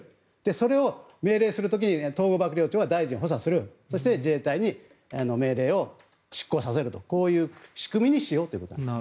それを命令する時に統合幕僚長は大臣を補佐するそして自衛隊に命令を執行させるという仕組みにしようということなんです。